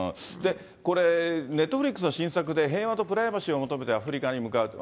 これ、ネットフリックスの新作で、平和とプライバシーを求めてアフリカに向かうと。